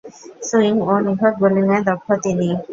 Swing ও নিখুঁত বোলিংয়ে দক্ষ তিনি।